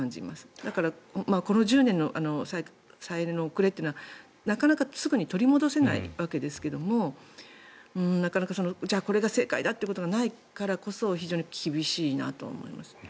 だからこの１０年の再エネの遅れというのはなかなかすぐに取り戻せないわけですけれどもじゃあこれが正解だということがないからこそ非常に厳しいなと思います。